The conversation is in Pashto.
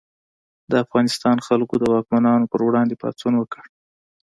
د افغانستان خلکو د واکمنانو پر وړاندې پاڅون وکړ.